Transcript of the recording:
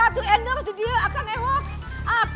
ratu ender si dia akan ewok